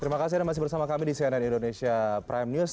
terima kasih anda masih bersama kami di cnn indonesia prime news